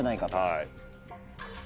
はい。